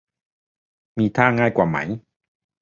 มีท่าง่ายกว่าไหม